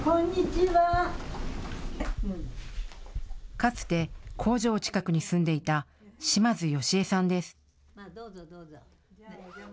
かつて工場近くに住んでいた島津好江さんです。